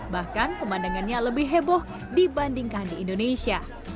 bahkan pemandangannya lebih heboh dibandingkan di indonesia